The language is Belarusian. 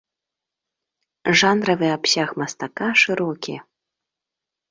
Жанравы абсяг мастака шырокі.